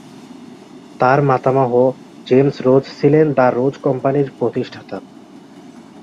তার মাতামহ James Rose ছিলেন দ্য রোজ কোম্পানির প্রতিষ্ঠাতা।